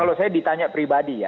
kalau saya ditanya pribadi ya